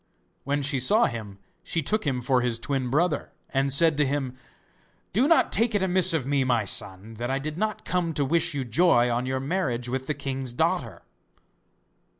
When she saw him she took him for his twin brother, and said to him: 'Do not take it amiss of me, my son, that I did not come to wish you joy on your marriage with the king's daughter.